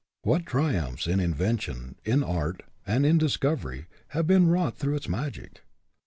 What triumphs in in vention, in art, and in discovery have been wrought through its magic!